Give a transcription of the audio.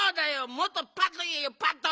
もっとパッといえよパッと！